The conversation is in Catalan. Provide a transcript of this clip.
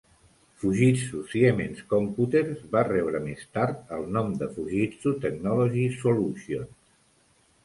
Fujitsu Siemens Computers va rebre més tard el nom de Fujitsu Technology Solutions.